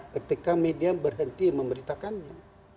ketika media berhenti memberitakannya